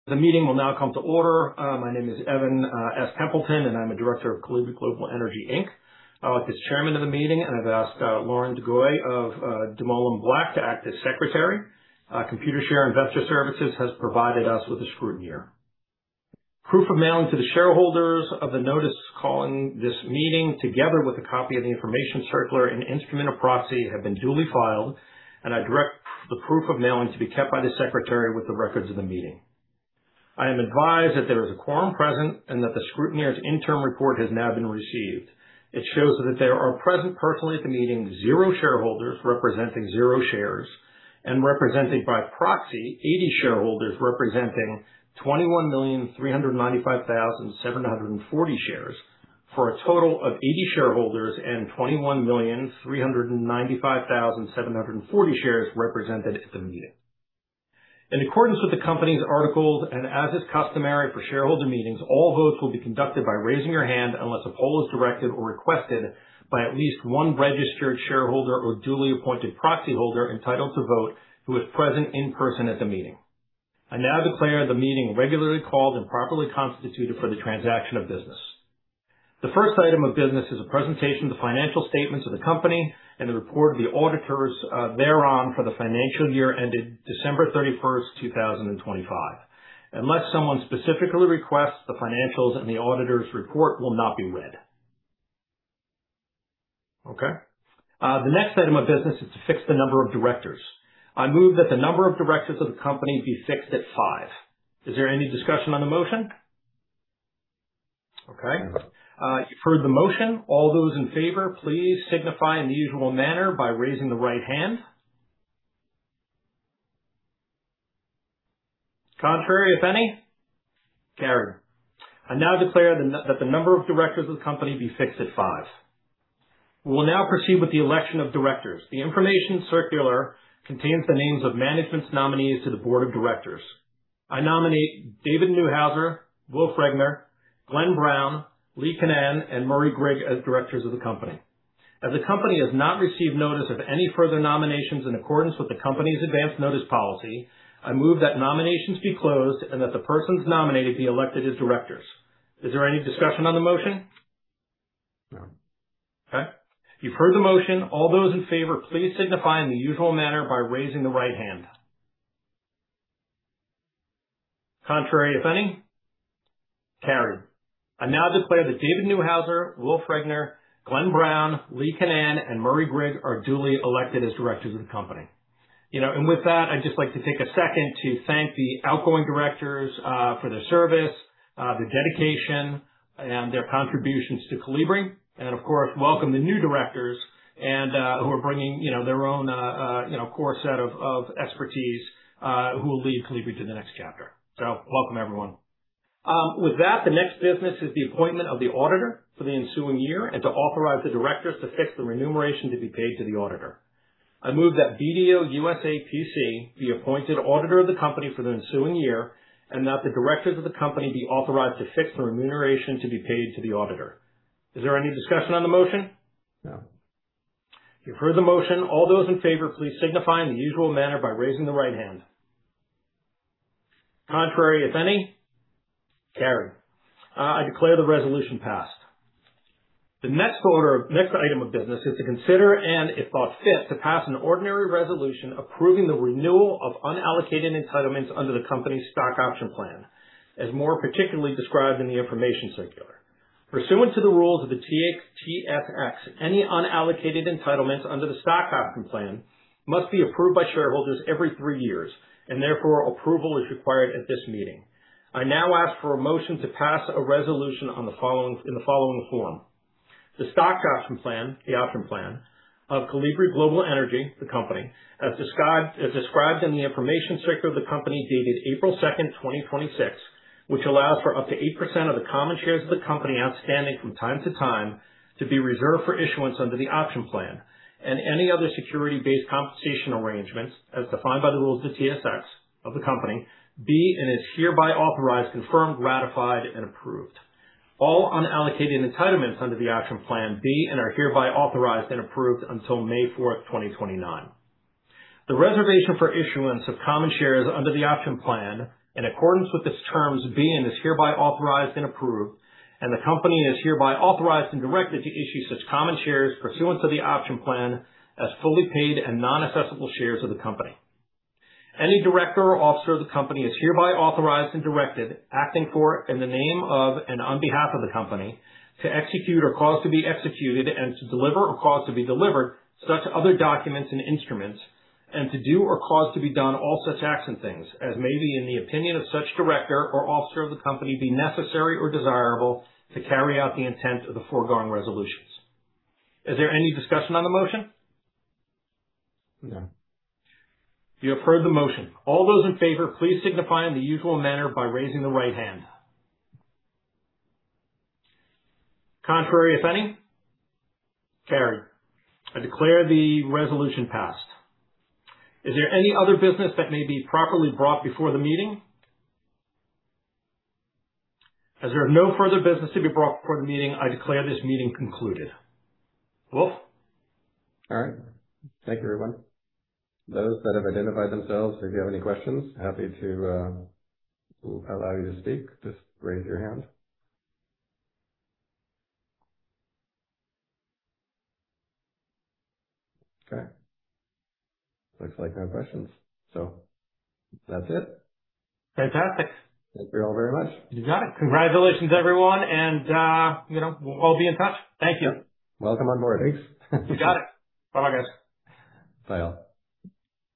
The meeting will now come to order. My name is Evan S. Templeton, and I'm a Director of Kolibri Global Energy Inc. I'll act as chairman of the meeting, and I've asked Lauren DeGoey of DuMoulin Black to act as secretary. Computershare Investor Services has provided us with a scrutineer. Proof of mailing to the shareholders of the notice calling this meeting, together with a copy of the information circular and instrument of proxy have been duly filed, and I direct the proof of mailing to be kept by the secretary with the records of the meeting. I am advised that there is a quorum present and that the scrutineer's interim report has now been received. It shows that there are present personally at the meeting, 0 shareholders representing 0 shares, and represented by proxy, 80 shareholders representing 21,395,740 shares, for a total of 80 shareholders and 21,395,740 shares represented at the meeting. In accordance with the company's articles and as is customary for shareholder meetings, all votes will be conducted by raising your hand unless a poll is directed or requested by at least one registered shareholder or duly appointed proxy holder entitled to vote who is present in person at the meeting. I now declare the meeting regularly called and properly constituted for the transaction of business. The first item of business is a presentation of the financial statements of the company and the report of the auditors thereon for the financial year ended December 31st, 2025. Unless someone specifically requests, the financials and the auditor's report will not be read. Okay. The next item of business is to fix the number of directors. I move that the number of directors of the company be fixed at five. Is there any discussion on the motion? Okay. You've heard the motion. All those in favor, please signify in the usual manner by raising the right hand. Contrary, if any. Carried. I now declare that the number of directors of the company be fixed at five. We will now proceed with the election of directors. The information circular contains the names of management's nominees to the board of directors. I nominate David Neuhauser, Wolf Regener, Glenn Brown, Lee Canaan, and Murray Grigg as directors of the company. As the company has not received notice of any further nominations in accordance with the company's advance notice policy, I move that nominations be closed and that the persons nominated be elected as directors. Is there any discussion on the motion? No. Okay. You've heard the motion. All those in favor, please signify in the usual manner by raising the right hand. Contrary, if any. Carried. I now declare that David Neuhauser, Wolf Regener, Glenn Brown, Lee Canaan, and Murray Grigg are duly elected as directors of the company. With that, I'd just like to take a second to thank the outgoing directors for their service, their dedication, and their contributions to Kolibri, and of course, welcome the new directors who are bringing their own core set of expertise, who will lead Kolibri to the next chapter. Welcome, everyone. With that, the next business is the appointment of the auditor for the ensuing year and to authorize the directors to fix the remuneration to be paid to the auditor. I move that BDO USA, P.C., be appointed auditor of the company for the ensuing year and that the directors of the company be authorized to fix the remuneration to be paid to the auditor. Is there any discussion on the motion? No. You've heard the motion. All those in favor, please signify in the usual manner by raising the right hand. Contrary, if any. Carried. I declare the resolution passed. The next item of business is to consider, and if thought fit, to pass an ordinary resolution approving the renewal of unallocated entitlements under the company's stock option plan, as more particularly described in the information circular. Pursuant to the rules of the TSX, any unallocated entitlements under the stock option plan must be approved by shareholders every three years, and therefore approval is required at this meeting. I now ask for a motion to pass a resolution in the following form. The stock option plan, the option plan of Kolibri Global Energy, the company, as described in the information circular of the company dated April second, 2026, which allows for up to 8% of the common shares of the company outstanding from time to time to be reserved for issuance under the option plan and any other security-based compensation arrangements as defined by the rules of TSX of the company, be and is hereby authorized, confirmed, ratified, and approved. All unallocated entitlements under the option plan be and are hereby authorized and approved until May fourth, 2029. The reservation for issuance of common shares under the option plan, in accordance with its terms, be and is hereby authorized and approved, and the company is hereby authorized and directed to issue such common shares pursuant to the option plan as fully paid and non-assessable shares of the company. Any director or officer of the company is hereby authorized and directed, acting for, in the name of, and on behalf of the company, to execute or cause to be executed and to deliver or cause to be delivered such other documents and instruments, and to do or cause to be done all such acts and things as may be, in the opinion of such director or officer of the company, be necessary or desirable to carry out the intent of the foregoing resolutions. Is there any discussion on the motion? No. You have heard the motion. All those in favor, please signify in the usual manner by raising the right hand. Contrary, if any. Carried. I declare the resolution passed. Is there any other business that may be properly brought before the meeting? As there are no further business to be brought before the meeting, I declare this meeting concluded. Wolf? All right. Thank you, everyone. Those that have identified themselves, if you have any questions, happy to allow you to speak. Just raise your hand. Okay. Looks like no questions. That's it. Fantastic. Thank you all very much. You got it. Congratulations, everyone. We'll all be in touch. Thank you. Welcome on board. Thanks. You got it. Bye-bye, guys. Bye all.